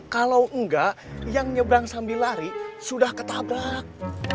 kalau enggak yang nyebrang sambil lari sudah ketabrak